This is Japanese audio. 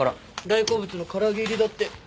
大好物の唐揚げ入りだって。